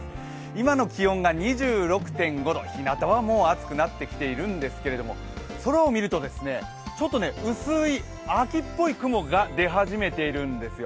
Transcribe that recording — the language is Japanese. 今の気温が２６．５度、ひなたはもう暑くなってきているんですけど、空を見ると薄い秋っぽい雲が出始めているんですよ。